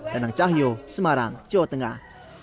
danang cahyo semarang jawa tengah